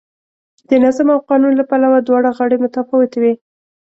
د نظم او قانون له پلوه دواړه غاړې متفاوتې وې.